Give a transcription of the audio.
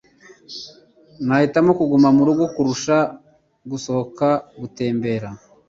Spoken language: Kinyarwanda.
Nahitamo kuguma murugo kuruta gusohoka gutembera.